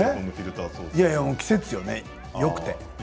いやいやもう季節よねよくて。